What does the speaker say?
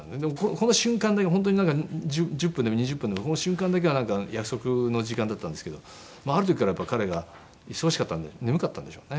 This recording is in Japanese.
この瞬間だけ本当になんか１０分でも２０分でもこの瞬間だけは約束の時間だったんですけどある時から彼が忙しかったんで眠かったんでしょうね。